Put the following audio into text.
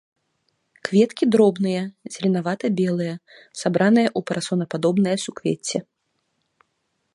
Кветкі дробныя, зеленавата-белыя, сабраныя ў парасонападобнае суквецце.